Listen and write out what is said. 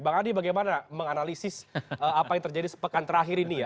bang adi bagaimana menganalisis apa yang terjadi sepekan terakhir ini ya